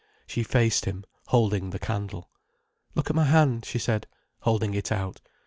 She faced him, holding the candle. "Look at my hand," she said, holding it out.